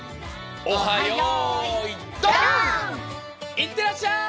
いってらっしゃい！